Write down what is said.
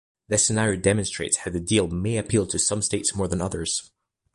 This scenario demonstrates how the deal may appeal to some states more than others.